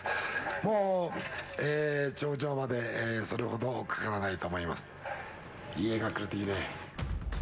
もう頂上まで、それほどかからないと思います。